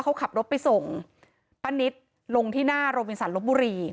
บอกว่าเขาขับรถไปส่งปะนิดลงที่หน้าโรบินสันรถบุรี